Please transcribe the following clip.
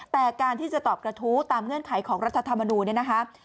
แต่การที่จะตอบกระทู้ตามเงื่อนไขของรัฐธรรมนูลเนี่ยนะคะ